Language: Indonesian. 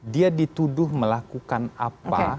dia dituduh melakukan apa